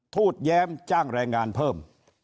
ทูตแย้มจ้างแรงงานเพิ่ม